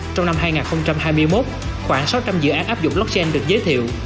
trong năm hai nghìn hai mươi một khoảng sáu trăm linh dự án áp dụng blockchain được giới thiệu